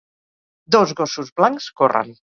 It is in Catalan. Dos gossos blancs corren.